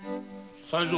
才三。